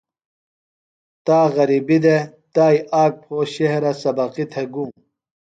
تا غربیۡ دےۡ۔ تائی آک پھو شہرہ سبقی تھےۡ گُوم۔